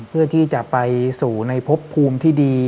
เพื่อที่จะไปสู่ในพบภูมิที่ดี